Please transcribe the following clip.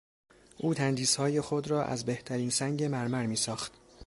او تندیسهای خود را از بهترین سنگ مرمر میساخت.